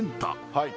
はい